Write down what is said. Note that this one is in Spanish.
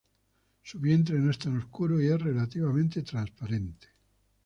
Su vientre no es tan oscuro y es relativamente transparente.